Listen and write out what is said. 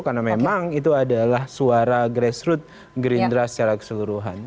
karena memang itu adalah suara grassroots gerindra secara keseluruhan